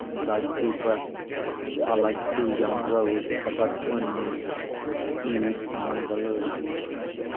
4:5 Thy two breasts are like two young roes that are twins, which feed among the lilies.